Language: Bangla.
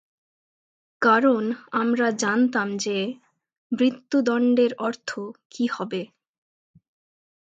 কারণ আমরা জানতাম যে, মৃত্যুদণ্ডের অর্থ কী হবে।